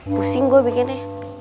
pusing gue bikinnya